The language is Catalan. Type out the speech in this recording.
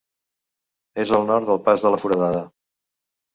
És al nord del Pas de la Foradada.